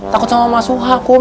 takut sama maksuha kum